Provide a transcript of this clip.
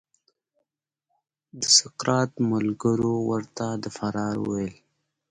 د سقراط ملګریو ورته د فرار وویل.